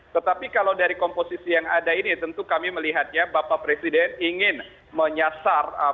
tetapi kalau dari komposisi yang ada ini tentu kami melihatnya bapak presiden ingin menyasar